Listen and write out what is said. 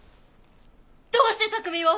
どうして卓海を？